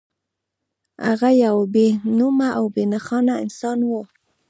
هغه يو بې نومه او بې نښانه انسان و.